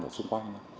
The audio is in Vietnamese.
ở xung quanh